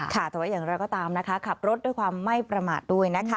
แต่อย่างนั้นก็ตามนะคะขับรถด้วยความไม่ประมาท